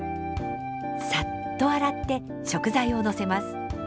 さっと洗って食材を乗せます。